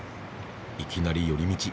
いきなり寄り道。